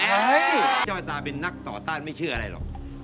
เจ้าตาเป็นนักต่อต้านไม่เชื่ออะไรหรอก